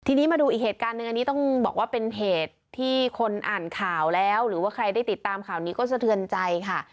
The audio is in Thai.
ทีนี้มาดูอีกเหตุการณ์หนึ่งอันนี้ต้องบอกว่าเป็นเหตุที่คนอ่านข่าวแล้วหรือว่าใครได้ติดตามข่าวนี้ก็สะเทือนใจค่ะ